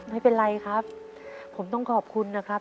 ไม่เป็นไรครับผมต้องขอบคุณนะครับ